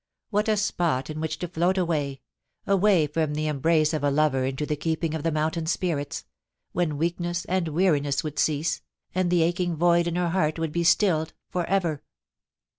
What a spot in which to float away — away from the embrace 18— 2 2/6 POLICY AND PASSION. of a lover into the keeping of the mountain spirits, when weakness and weariness would cease, and the aching void in her heart would be stilled for ever.